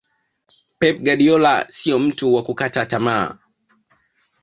Pep Guardiola siyo mtu wa kukata tamaa